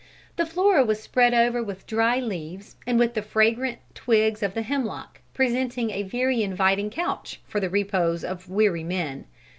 The floor was spread over with dry leaves and with the fragrant twigs of the hemlock, presenting a very inviting couch for the repose of weary men.